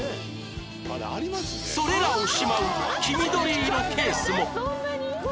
それらをしまう黄緑色ケースも